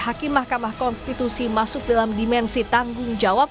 hakim mk masuk dalam dimensi tanggung jawab